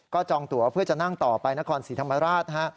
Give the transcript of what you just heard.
ก็จองตัวเพื่อจะนั่งต่อไปนครศรีธรรมราช